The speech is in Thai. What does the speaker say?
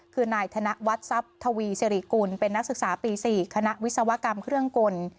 คือนายธนวัฒน์ทรัพย์ทวีสิริกุลเป็นนักศึกษาปี๔คณะวิศวกรรมเครื่องกล